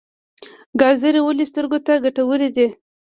ګازرې ولې سترګو ته ګټورې دي؟